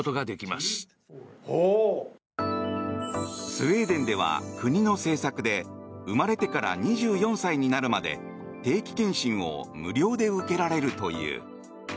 スウェーデンでは国の政策で生まれてから２４歳になるまで定期健診を無料で受けられるという。